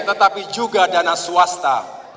tetapi juga dana swasta